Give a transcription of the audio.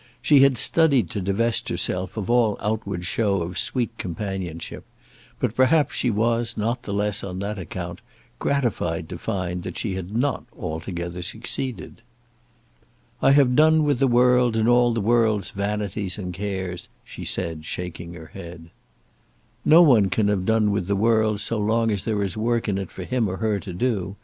She had studied to divest herself of all outward show of sweet companionship; but perhaps she was not the less, on that account, gratified to find that she had not altogether succeeded. "I have done with the world, and all the world's vanities and cares," she said, shaking her head. "No one can have done with the world as long as there is work in it for him or her to do.